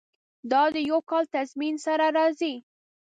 دا د یو کال تضمین سره راځي.